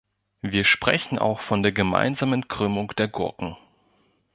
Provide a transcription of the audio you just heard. Wir sprechen auch von der gemeinsamen Krümmung der Gurken.